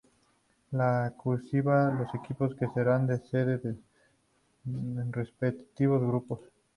En "cursiva", los equipos que serán sede de sus respectivos grupos.